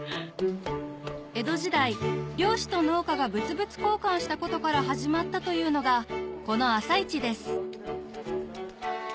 江戸時代漁師と農家が物々交換したことから始まったというのがこの朝市です